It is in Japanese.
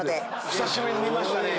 久しぶりに見ましたね。